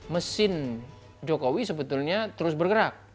mesin jokowi sebetulnya terus bergerak